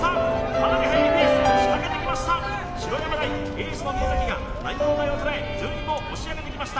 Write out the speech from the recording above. かなり速いペースで仕掛けてきました白山大エースの宮崎が南葉大を捉え順位も押し上げてきました